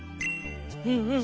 うんうん。